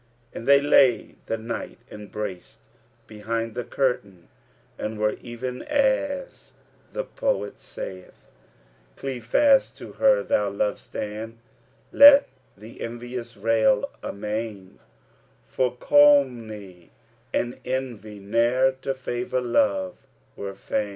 And they lay the night embraced behind the curtain and were even as saith the poet,[FN#280] "Cleave fast to her thou lovestand let the envious rail amain, For calumny and envy ne'er to favour love were fain.